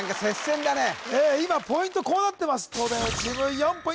今ポイントこうなってます